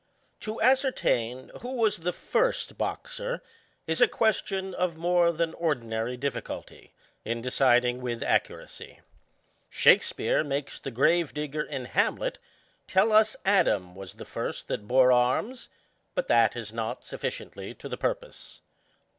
To ascertain who was the first boxer is a question of more than ordinary difiiculty, in deciding with accuracy. Shakspeare makes the grave digger in Hamlet tell us Adam was the first that bore arms; but that is not sufficiently to the purpose.